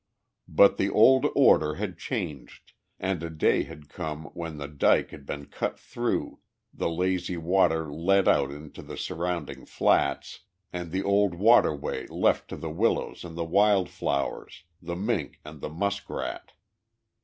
But the old order had changed, and a day had come when the dike had been cut through, the lazy water let out into the surrounding flats, and the old waterway left to the willows and the wild flowers, the mink and the musk rat.